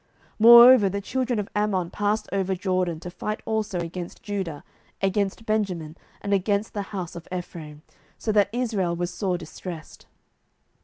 07:010:009 Moreover the children of Ammon passed over Jordan to fight also against Judah, and against Benjamin, and against the house of Ephraim; so that Israel was sore distressed.